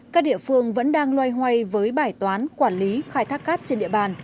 các địa phương vẫn đang loay hoay với bài toán quản lý khai thác cát trên địa bàn